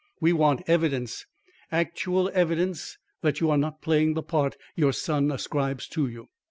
We want evidence, actual evidence that you are not playing the part your son ascribes to you."